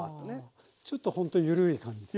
ちょっとほんとゆるい感じですね。